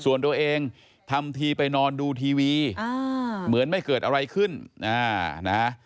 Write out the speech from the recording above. ส่วนตัวเองทำทีไปนอนดูทีวีเหมือนไม่เกิดอะไรขึ้น